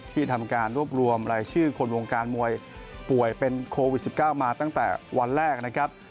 ที่ทำการรวบรวมรายชื่อคนวงการมวยป่วยเป็นโควิด๑๙มาตั้งแต่วันแรกนะครับ